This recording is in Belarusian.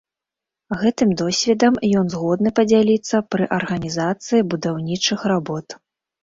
Гэтым досведам ён згодны падзяліцца пры арганізацыі будаўнічых работ.